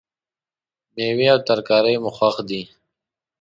میوې او ترکاری مو خوښ دي